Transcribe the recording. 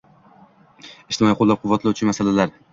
ijtimoiy qo‘llab-quvvatlovchi masalalar